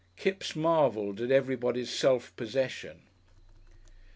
Kipps marvelled at everybody's self possession.